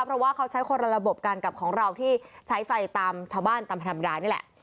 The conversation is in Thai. เพราะว่าเขาใช้คนละระบบกันกับของเราที่ใช้ไฟตามชาวบ้านตามธรรมดานี่แหละ